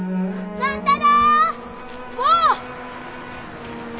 万太郎！